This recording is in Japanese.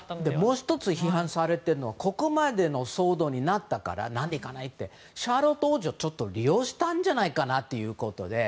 もう１つ批判されているのはここまでの騒動になったから何で行かないってシャーロット王女を利用したんじゃないかという。